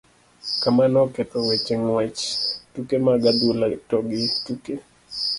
Kamano oketho weche ng'uech, tuke mag adhula to gi tuke